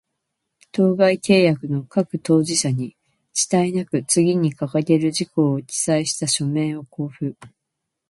当該契約の各当事者に、遅滞なく、次に掲げる事項を記載した書面を交付